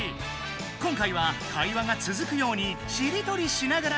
今回は会話が続くようにしりとりしながらやってみるぞ！